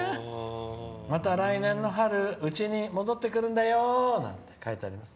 「また、来年の春うちに戻ってくるんだよー」と書いてあります。